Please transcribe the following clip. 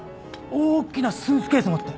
大きなスーツケース持って。